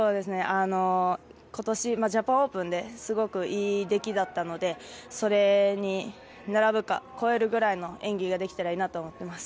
今年、ジャパンオープンですごくいい出来だったのでそれに並ぶか超えるくらいの演技ができたらいいなと思っています。